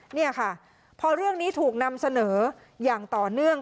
นี่ค่ะพอเรื่องนี้ถูกนำเสนออย่างต่อเนื่อง